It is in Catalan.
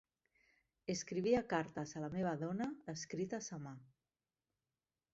Escrivia cartes a la meva dona escrites a mà.